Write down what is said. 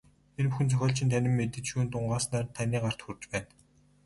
Энэ бүхэн зохиолчийн танин мэдэж, шүүн тунгааснаар таны гарт хүрч байна.